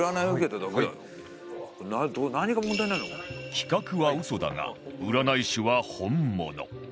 企画は嘘だが占い師は本物